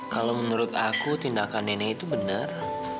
kalau menurut aku tindakan nenek itu benar